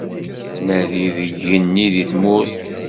Nadi deg yigenni, deg tmurt.